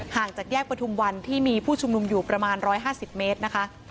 จากแยกประทุมวันที่มีผู้ชุมนุมอยู่ประมาณ๑๕๐เมตรนะคะ